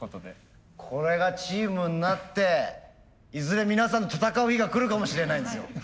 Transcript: これがチームになっていずれ皆さんと戦う日がくるかもしれないですよ。